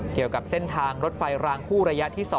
เกี่ยวกับเส้นทางรถไฟรางคู่ระยะที่๒